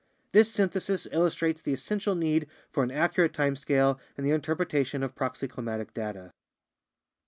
This synthesis illustrates the essential need for an accurate time scale in the interpretation of proxy climatic data.